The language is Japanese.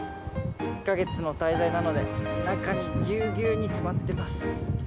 １か月の滞在なので中にぎゅうぎゅうに詰まってます。